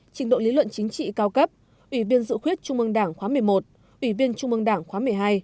chính trị cao cấp ủy viên dự khuyết trung mương đảng khóa một mươi một ủy viên trung mương đảng khóa một mươi hai